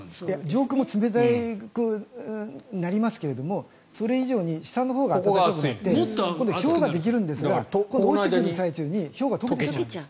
上空も冷たくなりますけどもそれ以上に下のほうが暖かくて今度はひょうができるんですが落ちてくる間にひょうが溶けちゃうんです。